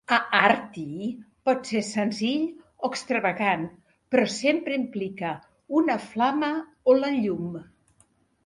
Aarti pot ser senzill o extravagant, però sempre implica una flama o la llum.